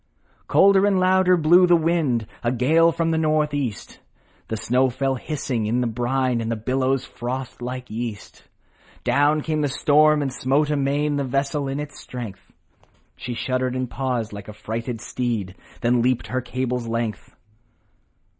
Colder and louder blew the w T ind, A gale from the North east ; The snow fell hissing in the brine, And the billows frothe I like yeast. 146 THE WRECK OF THE HESPERUS Down came the storm, and smote amain The vessel in its strength ; She shuddered and paused, like a frightened steed, Then leaped her cable's length.